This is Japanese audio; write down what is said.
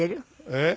えっ？